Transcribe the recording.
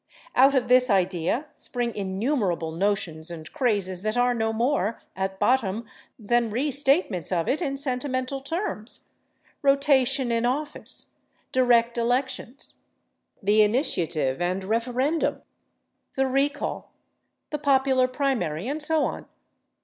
Out of this idea spring innumerable notions and crazes that are no more, at bottom, than restatements of it in sentimental terms: rotation in office, direct elections, the initiative and referendum, the recall, the popular primary, and so on.